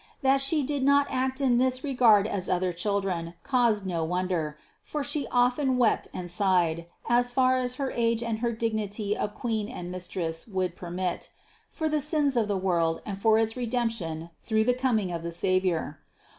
That She did not act in this regard as other children caused no wonder; for She often wept and sighed (as far as her age and her dignity of Queen and Mistress would per mit) for the sins of the world and for its Redemption through the coming of the Savior.